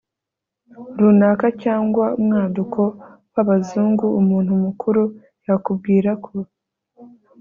runaka cyangwa umwaduko w'abazungu. umuntu mukuru yakubwira ko